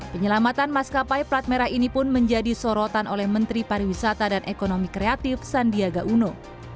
penyelamatan maskapai plat merah ini pun menjadi sorotan oleh menteri pariwisata dan ekonomi kreatif sandiaga uno